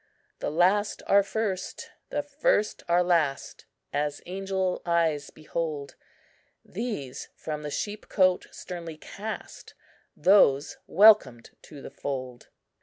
"The last are first, the first are last, As angel eyes behold; These from the sheepcote sternly cast, Those welcomed to the fold.